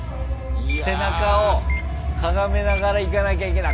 背中をかがめながら行かなきゃいけない。